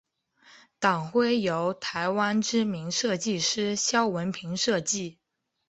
党徽由台湾知名设计师萧文平设计。